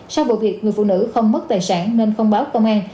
sau vụ việc người phụ nữ không mất tài sản nên không báo công an